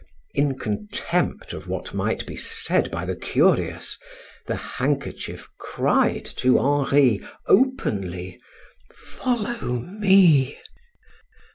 In contempt of what might be said by the curious, her handkerchief cried to Henri openly: "Follow me!"